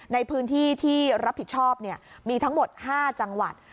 ในพื้นที่ที่รับผิดชอบมีทั้งหมด๕จังหวัด